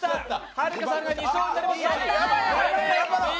はるかさんが２勝になりました。